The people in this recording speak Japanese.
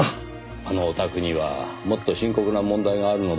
あのお宅にはもっと深刻な問題があるのではありませんかねぇ。